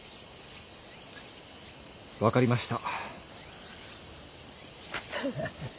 分かりました。